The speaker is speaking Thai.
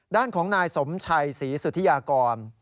ด้านของนายสมชัยศรีสุธิยากร